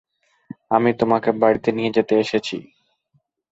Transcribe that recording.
আমি তোমাকে বাড়িতে নিয়ে যেতে এসেছি।